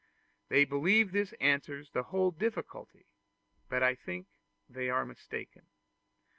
They believe this answers the whole difficulty, but I think they are mistaken.